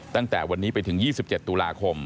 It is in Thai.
ตั้งแต่วันนี้ไปถึง๒๗ตุลาคม